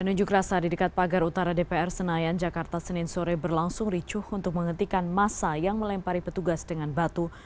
penunjuk rasa di dekat pagar utara dpr senayan jakarta senin sore berlangsung ricuh untuk menghentikan masa yang melempari petugas dengan batu